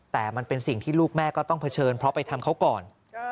แต่มันเป็นสิ่งที่ลูกแม่ก็ต้องเผชิญเพราะไปทำเขาก่อน